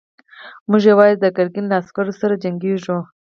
موږ يواځې د ګرګين له عسکرو سره جنګېږو.